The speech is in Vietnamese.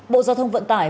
bộ giao thông vận tải